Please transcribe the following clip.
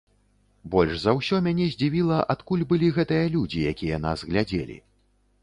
Больш за ўсё мяне здзівіла, адкуль былі гэтыя людзі, якія нас глядзелі.